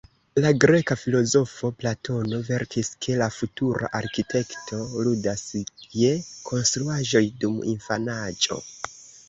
La greka filozofo Platono verkis, ke la futura arkitekto ludas je konstruaĵoj dum infanaĝo.